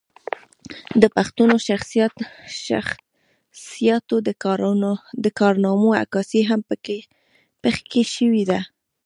د پښتنو شخصياتو د کارنامو عکاسي هم پکښې شوې ده